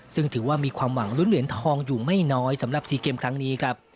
ซึ่งถือว่ามีความหวังลุ้นเหรียญทองอยู่ไม่น้อยสำหรับ๔เกมครั้งนี้ครับ